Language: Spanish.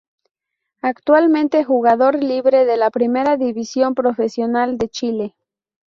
Actualmente jugador libre de la Primera División Profesional de Chile.